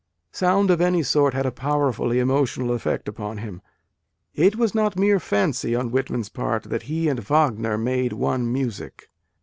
Sound of any sort had a powerfully emotional effect upon him. It was not mere fancy on Whitman s part that " he and Wagner made one music."